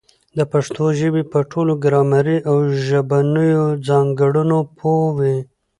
د پښتو ژبي په ټولو ګرامري او ژبنیو ځانګړنو پوه وي.